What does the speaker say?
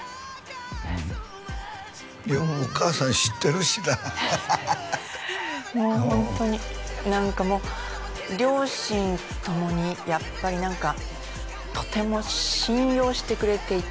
うんいやお母さん知ってるしなもうホントに何かもう両親ともにやっぱり何かとても信用してくれていた